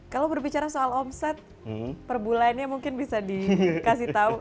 kalau berbicara soal omset perbulannya mungkin bisa dikasih tahu